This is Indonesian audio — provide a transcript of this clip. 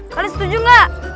kalian setuju gak